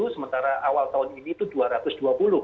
sementara awal tahun ini itu rp dua ratus dua puluh